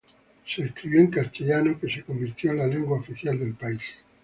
Fue escrita en lengua española, que se convirtió en la lengua oficial del país.